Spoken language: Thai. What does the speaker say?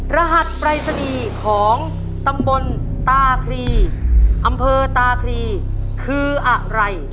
รหัสปรายศนีย์ของตำบลตาครีอำเภอตาครีคืออะไร